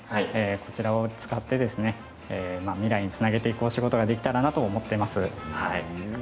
こちらを使って未来につなげていくお仕事ができたらなと思っています。